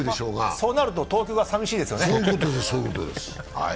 そうなると東北が寂しいですよね。